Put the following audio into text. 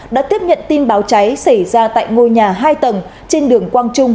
đã tiếp nhận tin báo cháy xảy ra tại ngôi nhà hai tầng trên đường quang trung